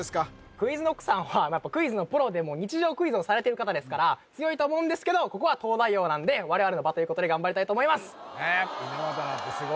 ＱｕｉｚＫｎｏｃｋさんはクイズのプロで日常クイズをされてる方ですから強いとは思うんですけどここは「東大王」なんで我々の場ということで頑張りたいと思います